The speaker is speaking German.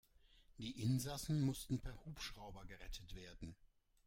Die Insassen mussten per Hubschrauber gerettet werden.